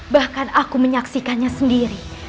bahkan aku menyaksikannya sendiri